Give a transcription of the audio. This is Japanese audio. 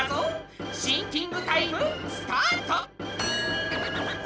シンキングタイムスタート！